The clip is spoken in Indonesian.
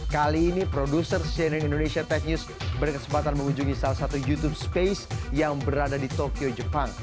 kali ini produser cnn indonesia tech news berkesempatan mengunjungi salah satu youtube space yang berada di tokyo jepang